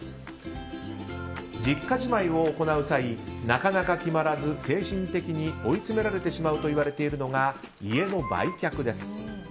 実家じまいを行う際なかなか決まらず精神的に追い詰められてしまうといわれているのが家の売却です。